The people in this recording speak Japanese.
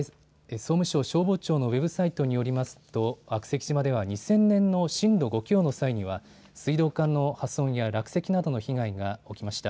総務省消防庁のウェブサイトによりますと、悪石島では２０００年の震度５強の際には水道管の破損や落石などの被害が起きました。